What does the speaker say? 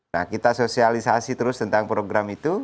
nah kita sosialisasi terus tentang program itu